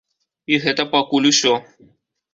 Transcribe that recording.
І гэта пакуль усё.